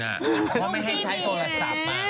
เพราะไม่ให้ใช้โทรศัพท์มา